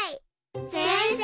せんせい！